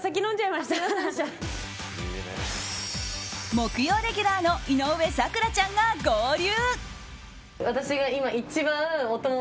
木曜レギュラーの井上咲楽ちゃんが合流。